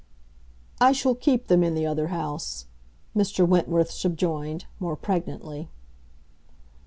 "I shall keep them in the other house," Mr. Wentworth subjoined, more pregnantly.